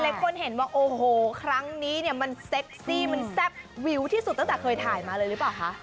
เห็นว่าโอ้โหครั้งนี้เนี่ยมันเซ็กซี่มันแซ่บวิวที่สุดตั้งแต่เคยถ่ายมาเลยหรือเปล่าคะ